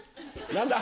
何だ？